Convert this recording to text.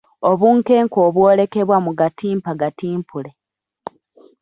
Obunkenke obw’olekebwa mu Gattimpa Gatimpule